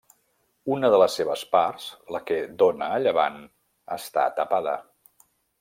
Una de les seves parts, la que dóna a llevant, està tapada.